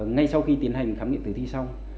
ngay sau khi tiến hành thám nghiệm tuyển thi xong